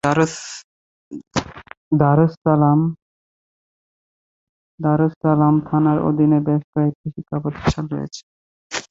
দারুস সালাম থানার অধীনে বেশ কয়েকটি শিক্ষা প্রতিষ্ঠান রয়েছে।